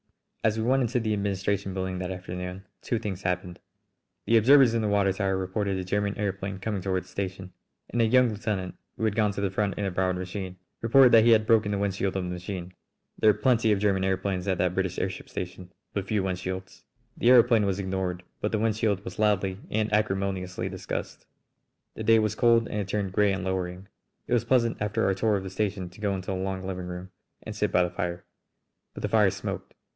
As we went into the administration building that afternoon two things happened: The observers in the water tower reported a German aëroplane coming toward the station, and a young lieutenant, who had gone to the front in a borrowed machine, reported that he had broken the wind shield of the machine. There are plenty of German aëroplanes at that British airship station, but few wind shields. The aëroplane was ignored, but the wind shield was loudly and acrimoniously discussed. The day was cold and had turned grey and lowering. It was pleasant after our tour of the station to go into the long living room and sit by the fire. But the fire smoked.